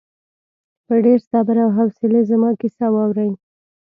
په ډېر صبر او حوصلې زما کیسه واورې.